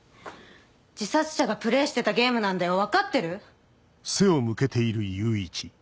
自殺者がプレーしてたゲームなんだよ分かってる？